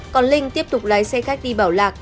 còn linh tiếp tục lái xe khách đi bảo lạc